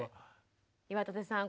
岩立さん